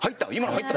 入った？